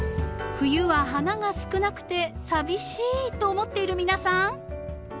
冬は花が少なくて寂しいと思っている皆さん忘れていませんか？